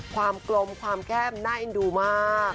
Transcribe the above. กลมความแก้มน่าเอ็นดูมาก